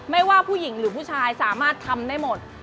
ไม่ว่าผู้หญิงหรือผู้ชายสามารถทำได้หมด